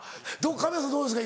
神谷さんどうですか？